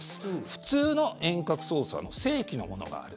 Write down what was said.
普通の遠隔操作の正規のものがある。